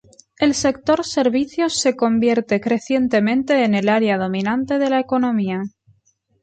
El sector servicios se convierte crecientemente en el área dominante de la economía.